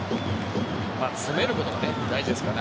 詰めることが大事ですからね。